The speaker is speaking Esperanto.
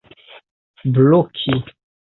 bloki